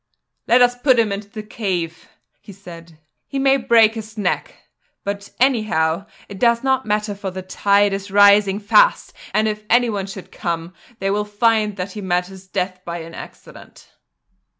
"Let us put him into the cave," he said. "He may break his neck; but anyhow it does not matter for the tide is rising fast and if anyone should come they will find that he met his death by an accident."